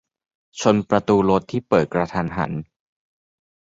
- ชนประตูรถที่เปิดกระทันหัน